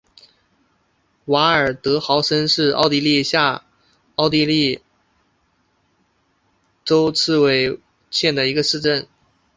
瓦尔德豪森是奥地利下奥地利州茨韦特尔县的一个市镇。